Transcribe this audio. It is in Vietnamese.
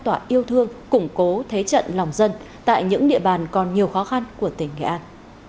tỏa yêu thương củng cố thế trận lòng dân tại những địa bàn còn nhiều khó khăn của tỉnh nghệ an